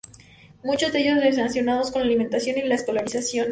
Muchos de ellos relacionados con la alimentación y la escolarización.